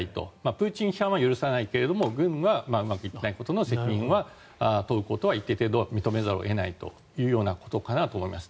プーチン批判は許さないけど軍はうまくいっていないことの責任を問うことは一定程度は認めざるを得ないということかと思います。